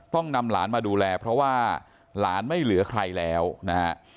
ต้องนำหลานมาดูแลเพราะว่าหลานไม่เหลือใครแล้วนะฮะ